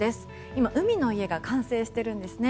今、海の家が完成しているんですね。